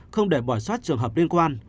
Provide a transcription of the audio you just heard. không để bỏ xót trường hợp liên quan